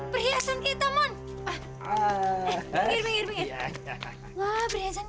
perhiasan kita mon